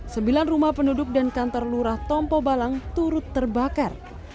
sembilan rumah penduduk dan kantor lurah tompo balang turut terbakar